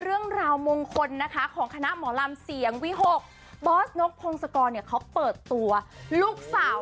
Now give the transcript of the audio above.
เรื่องราวมงคลนะคะของคณะหมอลำเสียงวิหกบอสนกพงศกรเนี่ยเขาเปิดตัวลูกสาว